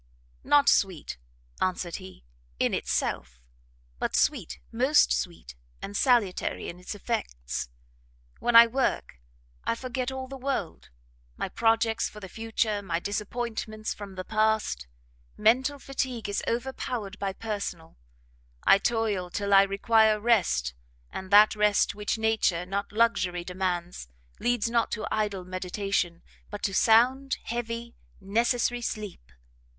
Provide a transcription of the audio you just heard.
"Not sweet," answered he, "in itself; but sweet, most sweet and salutary in its effects. When I work, I forget all the world; my projects for the future, my disappointments from the past. Mental fatigue is overpowered by personal; I toil till I require rest, and that rest which nature, not luxury demands, leads not to idle meditation, but to sound, heavy, necessary sleep.